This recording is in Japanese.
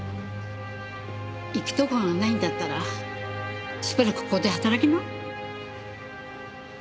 行くとこがないんだったらしばらくここで働きな。